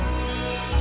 ke tempat yang lain